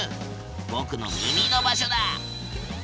ぼくの耳の場所だ。